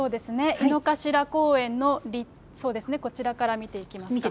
井の頭公園の、こちらから見ていきますか。